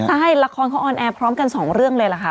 ใช่ละครเขาออนแอร์พร้อมกันสองเรื่องเลยล่ะค่ะ